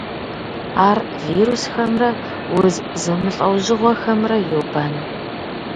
Ар вирусхэмрэ уз зэмылӏэужьыгъуэхэмрэ йобэн.